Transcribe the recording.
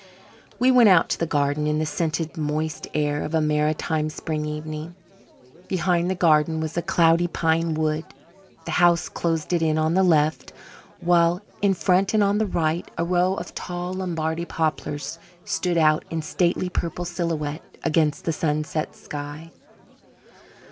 We went out to the garden in the scented moist air of a maritime spring evening. Behind the garden was a cloudy pine wood; the house closed it in on the left, while in front and on the right a row of tall Lombardy poplars stood out in stately purple silhouette against the sunset sky.